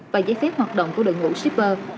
và giấy phép hoạt động của đội ngũ shipper